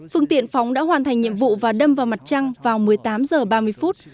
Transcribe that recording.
phương tiện phóng đã hoàn thành nhiệm vụ và đâm vào mặt trăng vào một mươi tám h ba mươi phút